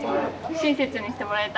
親切にしてもらえた？